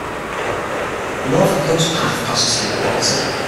The Norfolk Coast Path passes through the property.